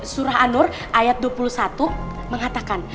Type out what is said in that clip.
surah an nur ayat dua puluh satu mengatakan